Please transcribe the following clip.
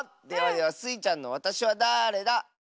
ではではスイちゃんの「わたしはだれだ？」。